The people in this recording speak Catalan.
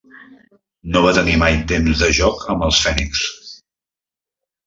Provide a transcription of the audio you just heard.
No va tenir mai temps de joc amb els Phoenix.